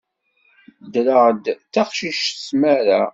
Ddreɣ-d d taqcict s tmara.